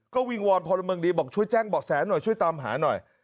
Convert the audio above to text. ก็วิงวอนพลเมืองดีบอกช่วยแจ้งเบาะแสหน่อยช่วยตามหาหน่อย